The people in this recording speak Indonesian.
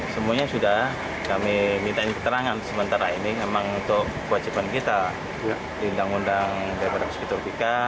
semuanya sudah kami minta keterangan sementara ini memang untuk kewajiban kita di undang undang daripada psikopika